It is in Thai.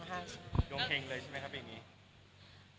ลงเข็งเรื่องเลยใช่มะครับ